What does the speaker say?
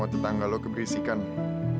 aku ada di depan rumah kamu